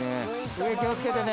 上気をつけてね。